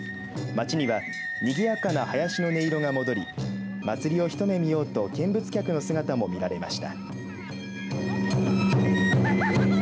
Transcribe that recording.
町には、にぎやかな囃子の音色が戻り祭りをひと目見ようと見物客の姿も見られました。